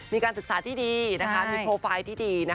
มีการศึกษาที่ดีมีโปรไฟล์ที่ดี